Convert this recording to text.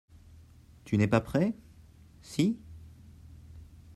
Tu n'es pas prêt ? Si.